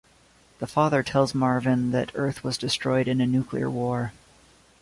The father tells Marvin that Earth was destroyed in a nuclear war.